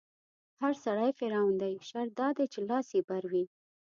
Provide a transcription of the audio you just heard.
هر سړی فرعون دی، شرط دا دی چې لاس يې بر وي